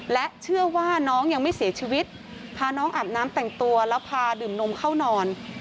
และเชื่อว่าน้องยังไม่เสียชีวิตพาน้องอาบน้ำแต่งตัวแล้วพาดื่มนมเข้านอน